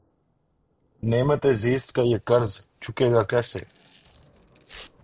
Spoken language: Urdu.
نعمت زیست کا یہ قرض چکے گا کیسے